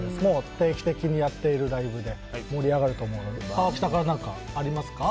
定期的にやっているライブで盛り上がると思うので川北から何かありますか。